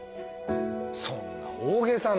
そんな大げさな。